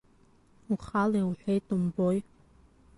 Ухала иуҳәеит, умбои.